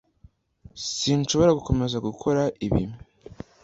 sinshobora gukomeza gukora ibi